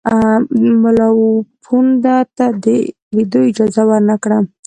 مُلاپوونده ته د لیدلو اجازه ورنه کړه.